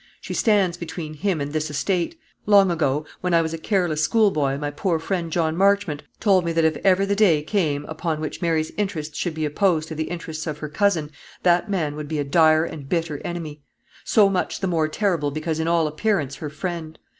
She stands between him and this estate. Long ago, when I was a careless schoolboy, my poor friend, John Marchmont, told me that, if ever the day came upon which Mary's interests should be opposed to the interests of her cousin, that man would be a dire and bitter enemy; so much the more terrible because in all appearance her friend.